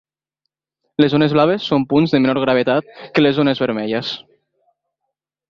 Les zones blaves són punts de menor gravetat que les zones vermelles.